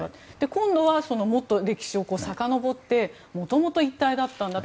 今度はもっと歴史をさかのぼって元々一体だったんだと。